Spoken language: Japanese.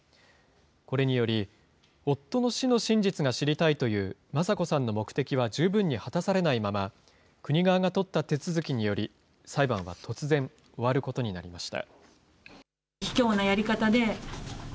これにより、夫の死の真実が知りたいという、雅子さんの目的は十分に果たされないまま、国側が取った手続きにより、裁判は突然、終わることになりました。